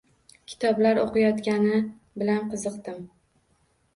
Kitoblar o‘qiyotgani bilan qiziqdim.